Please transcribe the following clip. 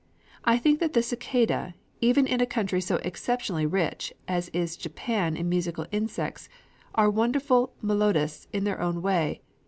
I think that the cicadæ, even in a country so exceptionally rich as is Japan in musical insects, are wonderful melodists in their own way.